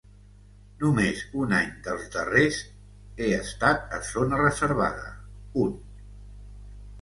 Només un any dels darrers he estat a zona reservada, un.